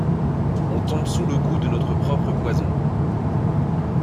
On tombe sous le coup de notre propre poison.